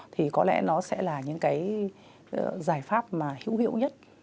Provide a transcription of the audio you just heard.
thì có lẽ nó sẽ là những cái giải pháp mà hữu hiệu nhất